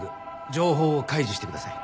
情報を開示してください。